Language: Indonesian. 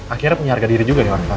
akhirnya punya harga diri juga nih pak